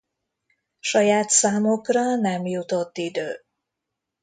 Saját számokra nem jutott idő.